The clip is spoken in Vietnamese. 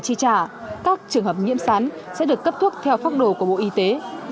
chi trả các trường hợp nhiễm sán sẽ được cấp thuốc theo phác đồ của bộ y tế